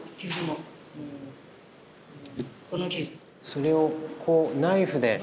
それをこうナイフで？